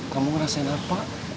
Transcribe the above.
kamu ngerasain apa